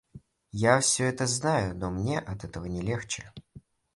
Я всё это знаю, но мне от этого не легче.